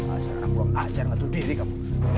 asal anak gue ajar ngatur diri kamu